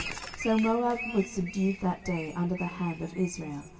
07:003:030 So Moab was subdued that day under the hand of Israel.